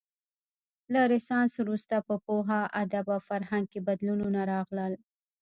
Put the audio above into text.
له رنسانس وروسته په پوهه، ادب او فرهنګ کې بدلونونه راغلل.